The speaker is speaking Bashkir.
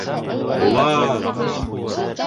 Булат!